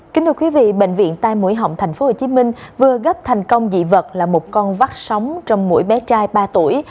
kính thưa quý vị bệnh viện tai mũi họng tp hcm vừa gấp thành công dị vật là một con vắt sống trong mỗi bé trai ba tuổi